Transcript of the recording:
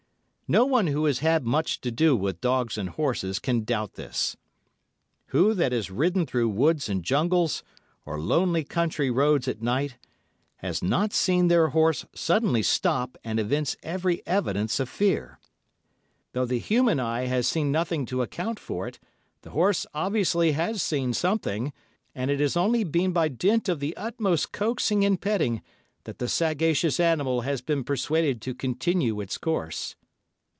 No one who has had much to do with dogs and horses can doubt this. Who that has ridden through woods and jungles, or lonely country roads at night, has not seen their horse suddenly stop and evince every evidence of fear. Though the human eye has seen nothing to account for it, the horse obviously has seen something, and it has only been by dint of the utmost coaxing and petting that the sagacious animal has been persuaded to continue its course.